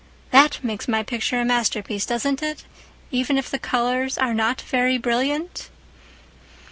That makes my picture a masterpiece, doesn't it, even if the colors are not very brilliant?"